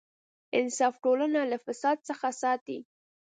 انصاف ټولنه له فساد څخه ساتي.